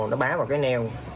nó bá vào cái neo